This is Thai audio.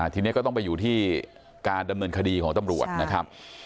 ทีนี้ก็ต้องไปอยู่ที่การดำเนินคดีของตำรวจนะครับ